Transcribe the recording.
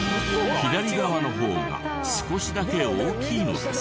左側の方が少しだけ大きいのです。